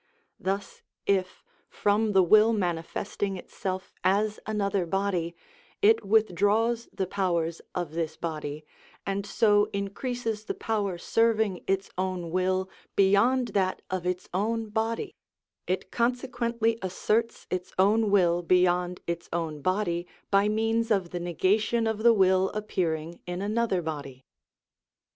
Thus if, from the will manifesting itself as another body, it withdraws the powers of this body, and so increases the power serving its own will beyond that of its own body, it consequently asserts its own will beyond its own body by means of the negation of the will appearing in another body.